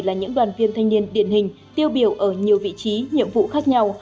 là những đoàn viên thanh niên điển hình tiêu biểu ở nhiều vị trí nhiệm vụ khác nhau